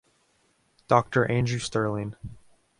Doctor Andrew Stirling.